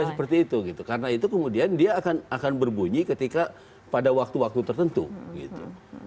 ya seperti itu gitu karena itu kemudian dia akan berbunyi ketika pada waktu waktu tertentu gitu